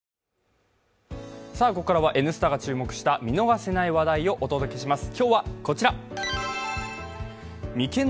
ここからは「Ｎスタ」が注目した見逃せない話題をお届けします。